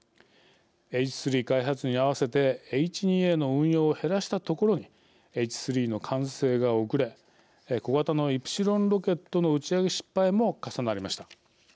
Ｈ３開発に合わせてＨ２Ａの運用を減らしたところにＨ３の完成が遅れ小型のイプシロンロケットの打ち上げ失敗も重なりました。